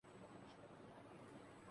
بیٹھا رہا اگرچہ اشارے ہوا کیے